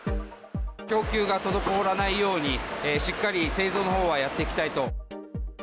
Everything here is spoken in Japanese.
供給が滞らないように、しっかり製造のほうはやっていきたいと。